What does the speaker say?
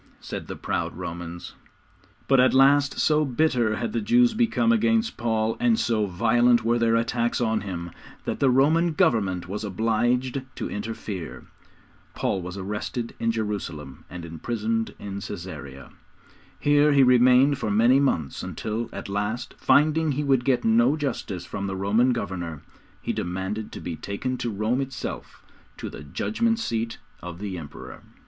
said the proud Romans. But at last so bitter had the Jews become against Paul, and so violent were their attacks on him, that the Roman Government was obliged to interfere. Paul was arrested in Jerusalem and imprisoned in Caesarea. Here he remained for many months, until, at last, finding he would get no justice from the Roman governor, he demanded to be taken to Rome itself to the Judgment Seat of the Emperor.